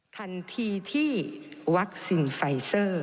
ทันทีที่วัคซีนไฟเซอร์